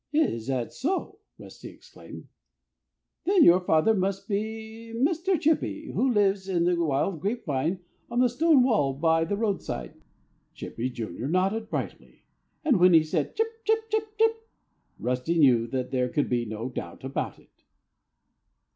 "Is that so?" Rusty exclaimed. "Then your father must be Mr. Chippy, who lives in the wild grapevine on the stone wall by the roadside." Chippy, Jr., nodded brightly. And when he said, "Chip, chip, chip, chip," Rusty knew that there could be no doubt about it.